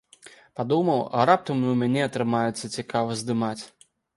Падумаў, а раптам і ў мяне атрымаецца цікава здымаць.